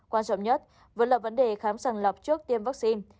quan trọng nhất vẫn là vấn đề khám sàng lọc trước tiêm vaccine